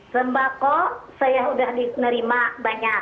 sembako saya udah nerima banyak